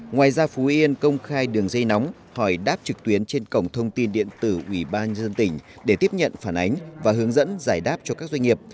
ngoài ra phú yên công khai đường dây nóng hỏi đáp trực tuyến trên cổng thông tin điện tử ubnd tỉnh để tiếp nhận phản ánh và hướng dẫn giải đáp cho các doanh nghiệp